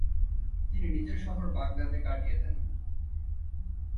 তিনি নিজের শহর বাগদাদে কাটিয়ে দেন।